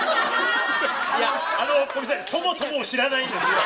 いや、ごめんなさい、そもそもを知らないんですよ。